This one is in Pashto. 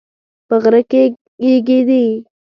په غره کې یږي دي